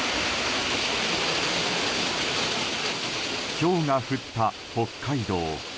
ひょうが降った北海道。